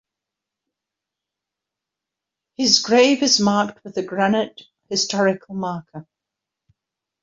His grave is marked with a granite historical marker.